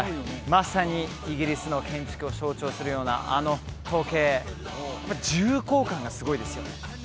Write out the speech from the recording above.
まさにイギリスの建築を象徴するようなあの時計重厚感がすごいですよね